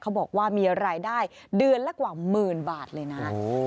เขาบอกว่ามีรายได้เดือนละกว่าหมื่นบาทเลยนะ